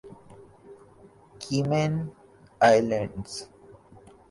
Cayman islands